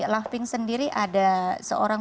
love pink sendiri ada seorang